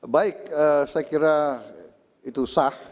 baik saya kira itu sah